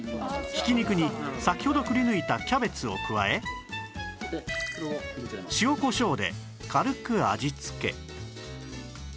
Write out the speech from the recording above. ひき肉に先ほどくり抜いたキャベツを加え塩こしょうで軽く味付け